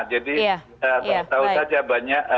jadi kita tahu saja banyak